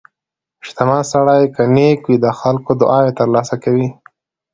• شتمن سړی که نیک وي، د خلکو دعاوې ترلاسه کوي.